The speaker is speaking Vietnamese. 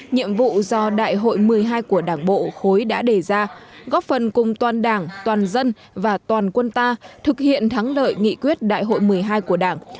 nhiệm vụ do đại hội một mươi hai của đảng bộ khối đã đề ra góp phần cùng toàn đảng toàn dân và toàn quân ta thực hiện thắng lợi nghị quyết đại hội một mươi hai của đảng